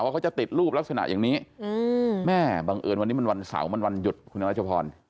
เขาจะติดรูปลักษณะอย่างนี้แม่บังเอิญวันนี้มันวันเสาร์มันวันหยุดคุณรัชพร